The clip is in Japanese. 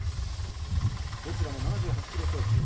どちらも７８キロ超級。